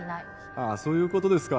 ああそういうことですか